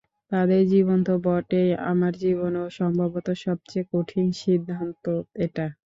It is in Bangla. তাঁদের জীবনে তো বটেই আমার জীবনেও সম্ভবত সবচেয়ে কঠিন সিদ্ধান্ত এটা।